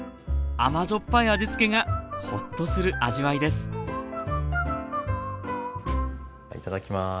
甘じょっぱい味付けがホッとする味わいですいただきます。